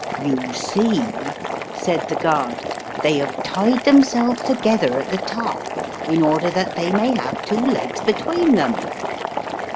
"You see," said the guard, "they have tied themselves together at the top in order that they may have two legs between them."